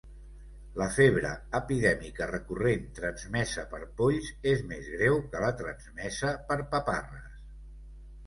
La febre epidèmica recurrent transmesa per polls és més greu que la transmesa per paparres.